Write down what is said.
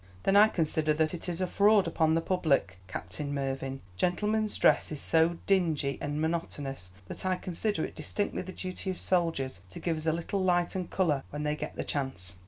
"Then I consider that it is a fraud upon the public, Captain Mervyn. Gentlemen's dress is so dingy and monotonous that I consider it distinctly the duty of soldiers to give us a little light and colour when they get the chance."